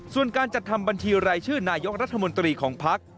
ส่วนการจัดทำบัญชีรายชื่อนายกรัฐมนตรีของพัก